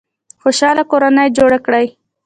خوشحاله کورنۍ جوړه کړئ